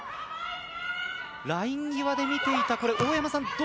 ライン際で見ていた大山さん